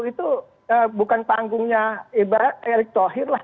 itu bukan panggungnya ibarat erick thohir lah